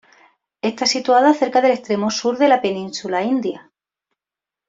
Está situada cerca del extremo sur de la península india.